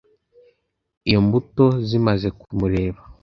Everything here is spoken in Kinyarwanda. Iyo imbuto zimaze kumureba